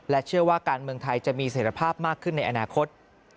เชื่อว่าการเมืองไทยจะมีเสร็จภาพมากขึ้นในอนาคต